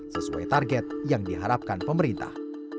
sesuai target yang diharapkan pemerintah